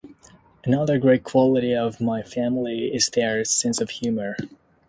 Another great quality of my family is their sense of humor.